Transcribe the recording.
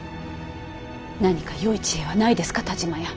何かよい知恵はないですか田嶋屋。